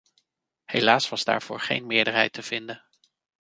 Helaas was daarvoor geen meerderheid te vinden.